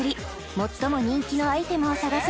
最も人気のアイテムを探す